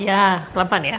iya pelan pelan ya